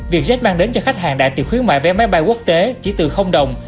vietjet mang đến cho khách hàng đại tiệc khuyến mại vé máy bay quốc tế chỉ từ đồng